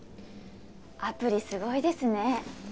アプリすごいですね